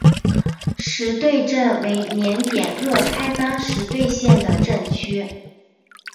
实兑镇为缅甸若开邦实兑县的镇区。